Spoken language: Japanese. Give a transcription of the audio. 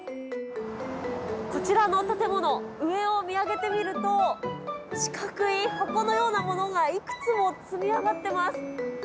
こちらの建物、上を見上げてみると、四角い箱のようなものが、いくつも積み上がってます。